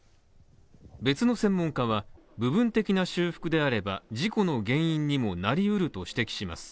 別の専門家は、部分的な修復であれば、事故の原因にもなりうると指摘します。